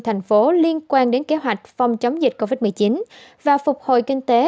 thành phố liên quan đến kế hoạch phòng chống dịch covid một mươi chín và phục hồi kinh tế